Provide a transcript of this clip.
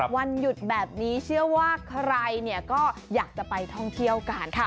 วันหยุดแบบนี้เชื่อว่าใครก็อยากจะไปท่องเที่ยวกัน